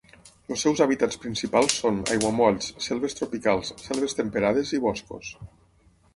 Els seus hàbitats principals són: aiguamolls, selves tropicals, selves temperades i boscos.